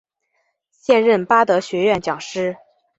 现任巴德学院讲师。